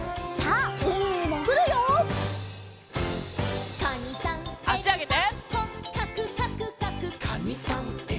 あしあげて。